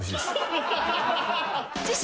［次週！］